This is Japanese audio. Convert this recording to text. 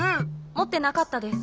もってなかったです。